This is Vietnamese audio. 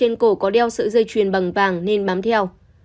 trên cổ có đeo sợi dây chuyền bằng vàng nên bám theo